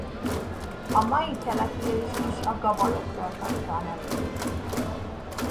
A mai település is a gabalokról kapta a nevét.